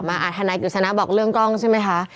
ทนายกฤษณะบอกเรื่องกล้องใช่ไหมคะ